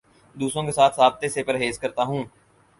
دوسروں کے ساتھ رابطے سے پرہیز کرتا ہوں